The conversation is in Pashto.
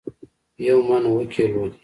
یو من اوو کیلو دي